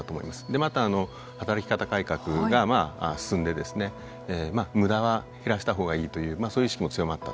でまた働き方改革がまあ進んでですねまあ無駄は減らした方がいいというそういう意識も強まった。